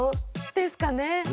ですかね。